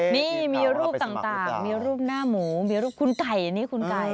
นี่มีรูปต่างมีรูปหน้าหมูมีรูปคุณไก่นี่คุณไก่